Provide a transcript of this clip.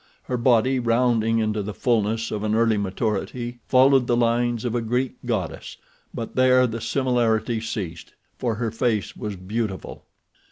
Her body, rounding into the fulness of an early maturity, followed the lines of a Greek goddess; but there the similarity ceased, for her face was beautiful.